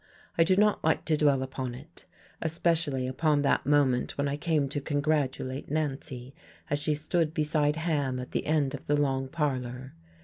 I do not like to dwell upon it especially upon that moment when I came to congratulate Nancy as she stood beside Ham at the end of the long parlour.